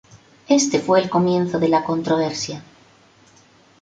Este fue el comienzo de la controversia.